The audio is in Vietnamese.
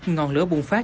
ngọn lửa bùng phát